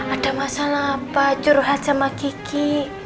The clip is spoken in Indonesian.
ada masalah apa curhat sama gigi